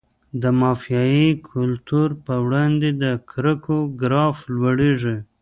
د مافیایي کلتور په وړاندې د کرکو ګراف لوړیږي.